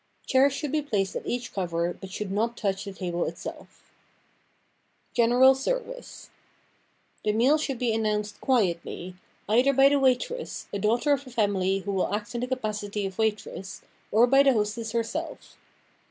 Chairs should be placed at each cover, but should not touch the table itself. 9 en era is, ervice THE meal should be announced quietly, either by the waitress, a daughter of the family who will act in the capacity of waitress, or by the hostess herself.